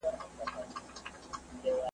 نن به د فرنګ د میراث خور په کور کي ساندي وي `